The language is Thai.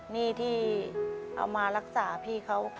หนี้ที่เอามารักษาพี่เขา